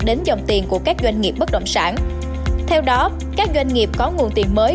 đến dòng tiền của các doanh nghiệp bất động sản theo đó các doanh nghiệp có nguồn tiền mới